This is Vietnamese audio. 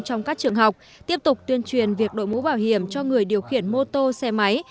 trong các trường học tiếp tục tuyên truyền việc đội mũ bảo hiểm cho người điều khiển mô tô xe máy